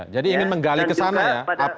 jadi ingin menggali ke sana ya